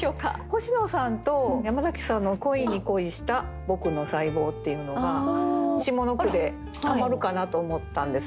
星野さんと山崎さんの「恋に恋した僕の細胞」っていうのが下の句ではまるかなと思ったんですよね。